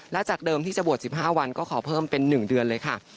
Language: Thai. และจากเดิมที่จะบวช๑๕วันก็ขอเพิ่มเป็น๑เดือนเลยค่ะ